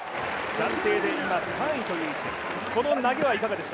暫定で３位という位置です。